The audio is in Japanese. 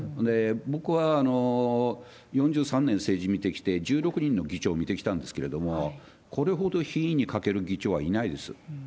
僕は４３年政治見てきて、１６人の議長を見てきたんですけれども、これほど品位に欠ける議長はいないです。